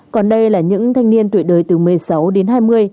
còn đây là những thanh niên tuổi đời từ một mươi sáu đến hai mươi